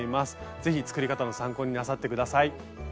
ぜひ作り方の参考になさって下さい。